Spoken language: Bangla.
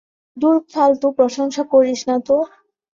ধুর ফালতু প্রশংসা করিস না তো।